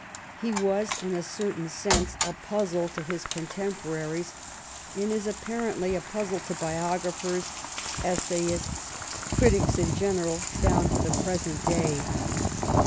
He was in a certain sense a puzzle to his contemporaries, and is apparently tk 223 THE REIGN OP QUEEN ANNE puule to biographers, essayists, and critics in general down to the present day.